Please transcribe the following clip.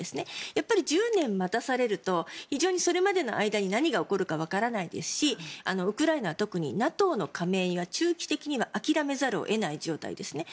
やっぱり１０年待たされると非常にそれまでの間に何が起こるかわからないですしウクライナは特にＮＡＴＯの加盟は中期的には諦めざるを得ない状況ですね。